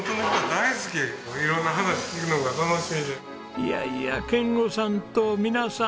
いやいや賢吾さんと美奈さん